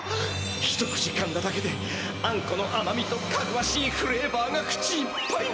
一口かんだだけであんこのあまみとかぐわしいフレーバーが口いっぱいに！